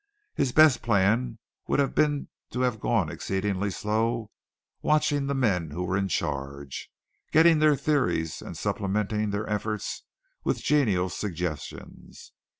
His best plan would have been to have gone exceedingly slow, watching the men who were in charge, getting their theories and supplementing their efforts with genial suggestions.